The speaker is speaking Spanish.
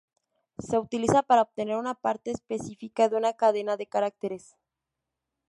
Se utiliza para obtener una parte específica de una cadena de caracteres.